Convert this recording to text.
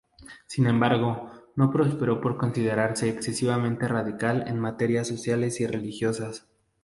Sin embargo, no prosperó por considerarse excesivamente radical en materias sociales y religiosas.